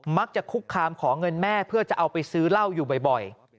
มักจะคุกคามขอเงินแม่เพื่อจะเอาไปซื้อเหล้าอยู่บ่อย